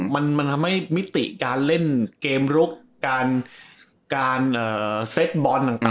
มันทำให้มิติการเล่นเกมลุกการเซ็ตบอลต่าง